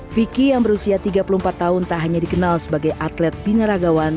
vicky yang berusia tiga puluh empat tahun tak hanya dikenal sebagai atlet binaragawan